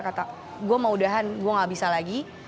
kata gue mau udahan gue gak bisa lagi